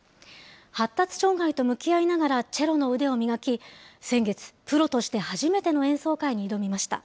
発達障害と向き合いながら、チェロの腕を磨き、先月、プロとして初めての演奏会に挑みました。